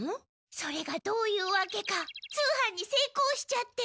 それがどういうわけか通販にせいこうしちゃって。